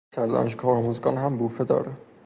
پسر دانشگاه هرمزگان هم بوفه داره.